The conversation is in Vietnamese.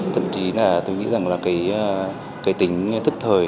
thậm chí là tôi nghĩ rằng là cái tính thức thời